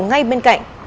ngay bên cạnh